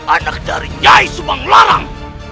anak dari nyai subanglarang